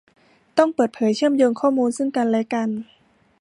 ต้องเปิดเผยเชื่อมโยงข้อมูลซึ่งกันและกัน